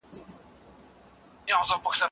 د پنځو کلونو لاندې ماشومان زیات خطر لري.